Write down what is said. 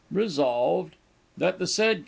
Resolved, That the said Q.